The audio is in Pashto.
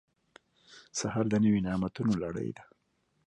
سهار د نوي نعمتونو لړۍ ده.